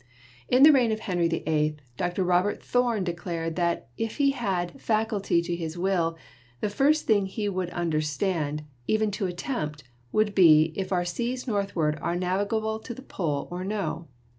In the reign of Henry VIII Dr. Robert Thorne de clared that "if he had facultie to his will, the first thing he would understande, even to attempt, would be if our seas northwards are navigable to the Pole or no."